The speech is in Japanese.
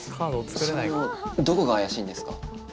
それのどこが怪しいんですか？